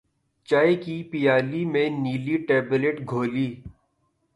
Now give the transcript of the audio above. چائے کی پیالی میں نیلی ٹیبلٹ گھولی